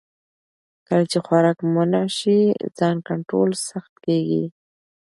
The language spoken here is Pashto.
کله چې خوراک منع شي، ځان کنټرول سخت کېږي.